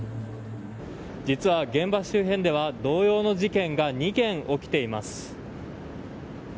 実は現場周辺では同様の事件が２件、起きています。